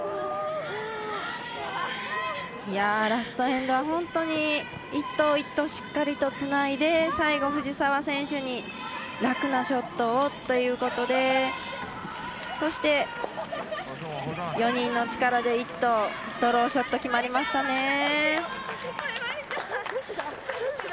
ラストエンドは本当に一投一投しっかりとつないで最後、藤澤選手に楽なショットをということでそして、４人の力で１投ドローショット決まりましたね。